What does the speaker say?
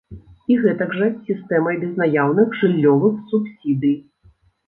І гэтак жа з сістэмай безнаяўных жыллёвых субсідый!